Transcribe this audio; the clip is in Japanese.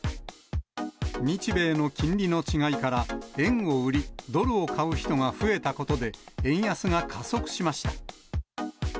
日米の金利の違いから、円を売りドルを買う人が増えたことで、円安が加速しました。